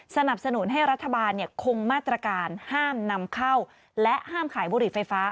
สนับสนุนให้รัฐบาลคงมาตรการห้ามนำเข้าและห้ามขายบุหรี่ไฟฟ้า